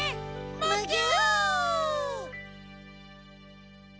むぎゅ！